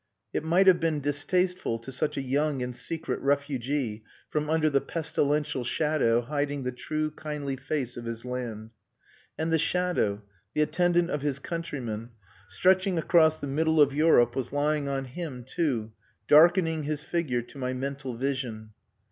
It might have been distasteful to such a young and secret refugee from under the pestilential shadow hiding the true, kindly face of his land. And the shadow, the attendant of his countrymen, stretching across the middle of Europe, was lying on him too, darkening his figure to my mental vision.